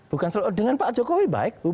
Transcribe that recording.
bukan dengan pak jokowi baik